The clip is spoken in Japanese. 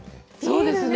そうですね。